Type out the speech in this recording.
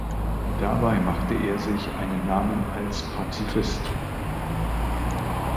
Dabei machte er sich einen Namen als Pazifist.